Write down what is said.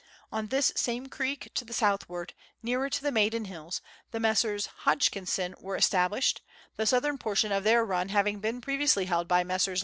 On this same creek, to the southward, nearer to the Maiden Hills, the Messrs. Hodg kinsou were established, the southern portion of their run having been previously held by Messrs.